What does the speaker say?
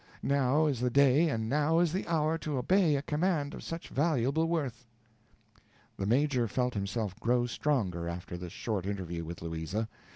Now is the day and now is the hour to obey a command of such valuable worth." The Major felt himself grow stronger after this short interview with Louisa.